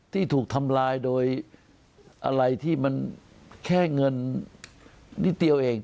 ที่ถูกทำลายโดยอะไรที่มันแค่เงินนิดเดียวเอง